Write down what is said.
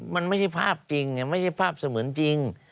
มันไม่ใช่ภาพจริงไม่ใช่ภาพเสมือนจริง